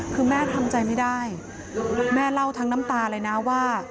คือแม่ทำใจไม่ได้แม่เล่าทั้งน้ำตาเลยนะว่า